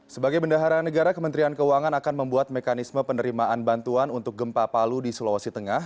sebagai bendahara negara kementerian keuangan akan membuat mekanisme penerimaan bantuan untuk gempa palu di sulawesi tengah